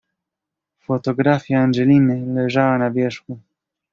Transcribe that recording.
"Fotografia Angeliny leżała na wierzchu."